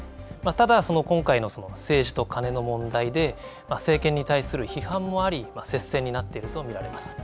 ただ、今回の政治とカネの問題で、政権に対する批判もあり接戦になっているとみられます。